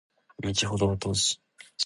道程は遠し